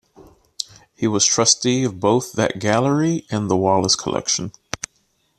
He was trustee of both that gallery and the Wallace Collection.